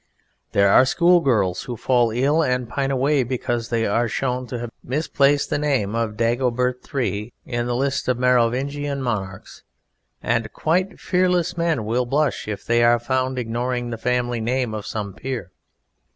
There are schoolgirls who fall ill and pine away because they are shown to have misplaced the name of Dagobert III in the list of Merovingian Monarchs, and quite fearless men will blush if they are found ignoring the family name of some peer.